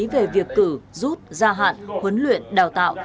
về việc cử rút gia hạn huấn luyện đào tạo